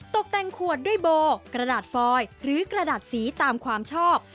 ตกแต่งขวดด้วยโบกระดาษฟอยหรือกระดาษสีตามความชอบ